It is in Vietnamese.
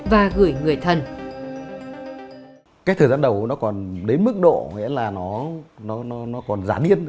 và gửi người thần